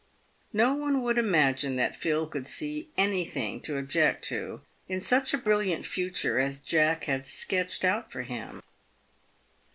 No one would imagine that Phil could see anything to object to in such a brilliant future as Jack had sketched out for him.